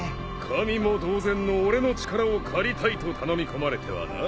神も同然の俺の力を借りたいと頼み込まれてはな。